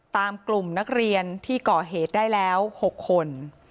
กลุ่มนักเรียนที่ก่อเหตุได้แล้ว๖คน